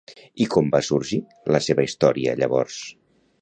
I com va sorgir la seva història, llavors?